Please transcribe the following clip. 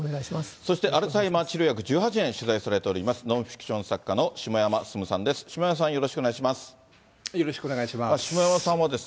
そしてアルツハイマー治療薬１８年取材されております、ノンフィクション作家の下山進さんです。